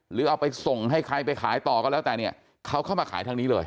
หรือเอาไปส่งให้ใครไปขายต่อก็แล้วแต่เนี่ยเขาเข้ามาขายทางนี้เลย